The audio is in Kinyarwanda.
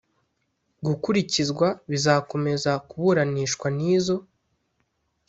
gukurikizwa bizakomeza kuburanishwa n izo